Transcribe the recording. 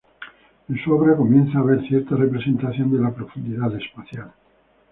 En su obra comienza a haber cierta representación de la profundidad espacial.